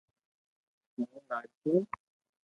ھون ناچو